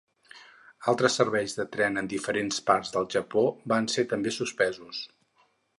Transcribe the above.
Altres serveis de tren en diferents parts del Japó van ser també suspesos.